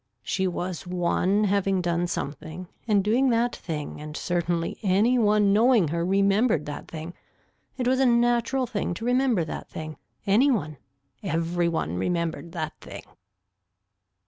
She was one having done something and doing that thing and certainly any one knowing her remembered that thing. It was a natural thing to remember that thing, any one, every one remembered that thing.